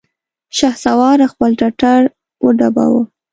شهسوار خپل ټټر وډباوه!